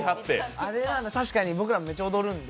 あれなら、確かに僕らめちゃ踊るんで。